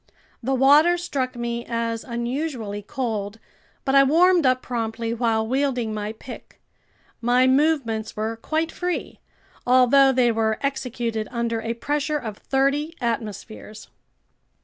The water struck me as unusually cold, but I warmed up promptly while wielding my pick. My movements were quite free, although they were executed under a pressure of thirty atmospheres.